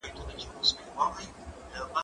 زه اجازه لرم چي قلم استعمالوم کړم؟!